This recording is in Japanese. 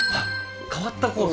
変わったコース？